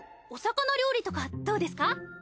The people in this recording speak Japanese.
お魚料理とかどうですか？